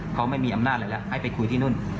เขาไม่มีอำนาจอะไรแล้วให้ไปคุยที่นู่น